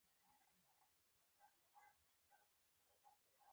کله چي د سطحي اوبو لکه سیندونه.